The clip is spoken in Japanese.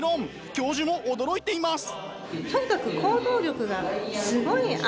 教授も驚いています。